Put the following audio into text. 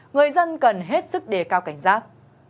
người dân cần hết sức đề cao cảnh giác